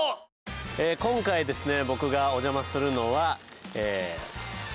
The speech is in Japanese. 今回ですね